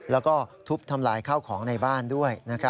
และทุบทำร้ายเข้าของในบ้านด้วย